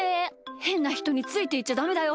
へんなひとについていっちゃダメだよ。